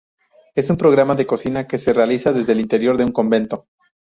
Es un programa de cocina que se realiza desde el interior de un convento.